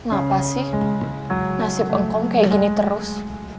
kenapa sih nasib ongkom kayak gini terus